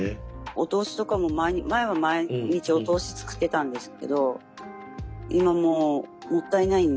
お通しとかも前は毎日お通し作ってたんですけど今もうもったいないんで。